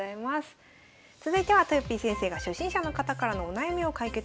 続いてはとよぴー先生が初心者の方からのお悩みを解決するコーナー。